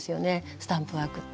スタンプワークって。